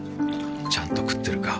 ちゃんと食ってるか？